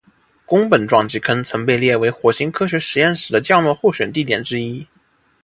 宫本撞击坑曾被列为火星科学实验室的降落候选地点之一。